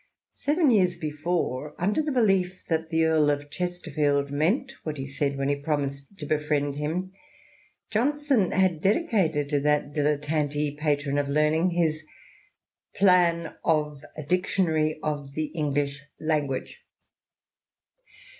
Seven years before, under the belief that the Earl of Chesterfield meant what he said wben he promised to befriend him, Johnson had dedicated to that dilettante patron of learning his " Plan of a Dictionary of the English Language."